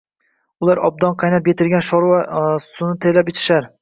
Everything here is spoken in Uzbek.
Ular obdan qaynab yetilgan shoʼrva suvini terlab ichishar